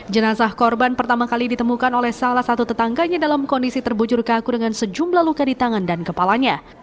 jenazah korban pertama kali ditemukan oleh salah satu tetangganya dalam kondisi terbujur kaku dengan sejumlah luka di tangan dan kepalanya